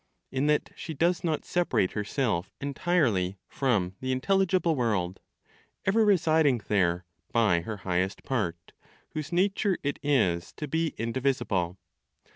In that she does not separate herself entirely from the intelligible world, ever residing there by her highest part, whose nature it is to be indivisible.